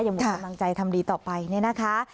อย่าหมดกำลังใจทำดีต่อไปนี่นะคะ